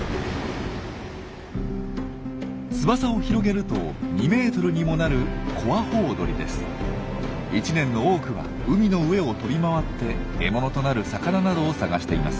翼を広げると２ｍにもなる１年の多くは海の上を飛び回って獲物となる魚などを探しています。